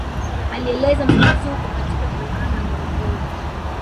Alieleza makazi huko katika valkano ya Ngorongoro